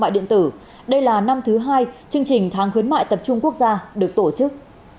mại điện tử đây là năm thứ hai chương trình tháng khuyến mại tập trung quốc gia được tổ chức